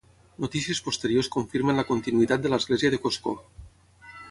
Notícies posteriors confirmen la continuïtat de l'església de Coscó.